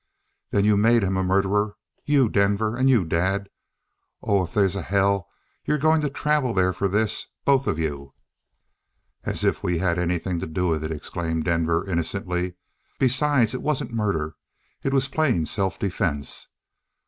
"Then you've made him a murderer you, Denver, and you, Dad. Oh, if they's a hell, you're going to travel there for this! Both of you!" "As if we had anything to do with it!" exclaimed Denver innocently. "Besides, it wasn't murder. It was plain self defense.